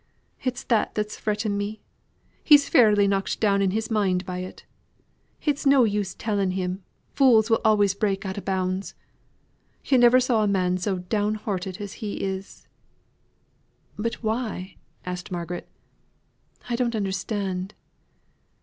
It's that that's fretting me. He's fairly knocked down in his mind by it. It's no use telling him, fools will always break out o' bounds. Yo' never saw a man so downhearted as he is." "But why?" asked Margaret. "I don't understand."